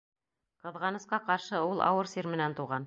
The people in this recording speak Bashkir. Ҡыҙғанысҡа ҡаршы, ул ауыр сир менән тыуған.